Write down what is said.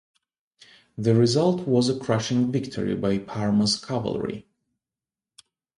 The result was a crushing victory by Parma's cavalry.